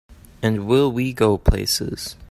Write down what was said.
And will we go places!